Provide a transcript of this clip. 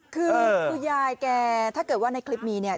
คือคุณยายแกถ้าเกิดว่าในคลิปมีเนี่ย